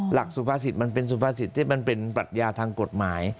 สุภาษิตมันเป็นสุภาษิตที่มันเป็นปรัชญาทางกฎหมาย